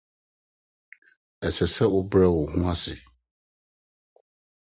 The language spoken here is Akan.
Ɛsɛ sɛ wobrɛ wo ho ase.